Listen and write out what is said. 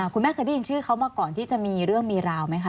คุณแม่เคยได้ยินชื่อเขามาก่อนที่จะมีเรื่องมีราวไหมคะ